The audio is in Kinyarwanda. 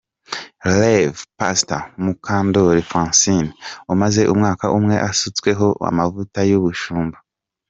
Rev Pastor Mukandori Francine, umaze umwaka umwe asutsweho amavuta y'ubushumba.